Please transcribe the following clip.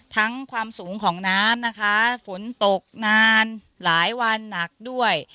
ความสูงของน้ำนะคะฝนตกนานหลายวันหนักด้วย